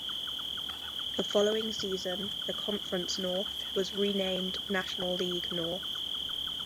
The following season the Conference North was renamed National League North.